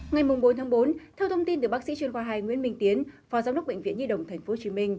ngày bốn tháng bốn theo thông tin từ bác sĩ chuyên khoa hai nguyễn minh tiến phó giám đốc bệnh viện nhi đồng tp hcm